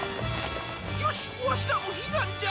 よしわしらもひなんじゃ！